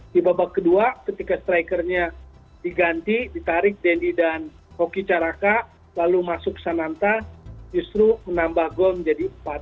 di babak kedua ketika strikernya diganti ditarik denny dan hoki caraka lalu masuk sananta justru menambah gol menjadi empat